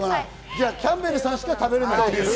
じゃあキャンベルさんしか食べれないという。